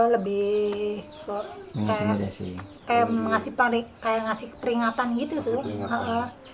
lebih kayak ngasih peringatan gitu tuh